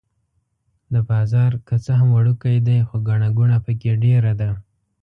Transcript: دا بازار که څه هم وړوکی دی خو ګڼه ګوڼه په کې ډېره ده.